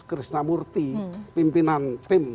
krishnamurti pimpinan tim